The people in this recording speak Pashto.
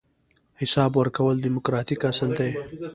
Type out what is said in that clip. حساب ورکول دیموکراتیک اصل دی.